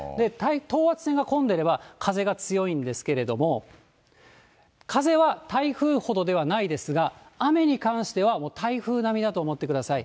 等圧線が混んでれば、風が強いんですけれども、風は台風ほどではないですが、雨に関してはもう台風並みだと思ってください。